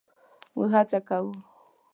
مونږ هڅه کوو